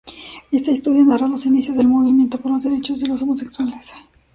Esta historia narra los inicios del movimiento por los derechos de los homosexuales.